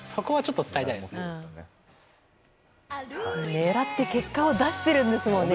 狙って結果を出してるんですもんね。